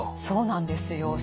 そうなんですよ。